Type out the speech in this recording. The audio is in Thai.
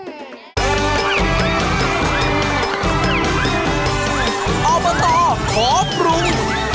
อบตขอปรุง